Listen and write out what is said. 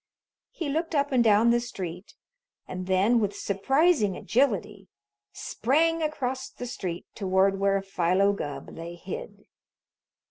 He looked up and down the street and then, with surprising agility, sprang across the street toward where Philo Gubb lay hid.